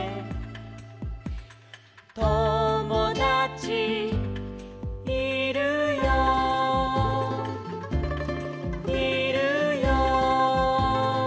「ともだちいるよいるよいるよ」